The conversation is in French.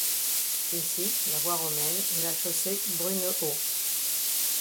Ici, la voie romaine est la chaussée Brunehaut.